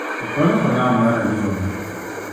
Ikualo kalam mar ajuoga?